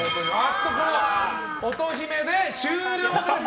音姫で終了です！